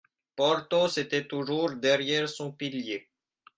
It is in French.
Porthos était toujours derrière son pilier.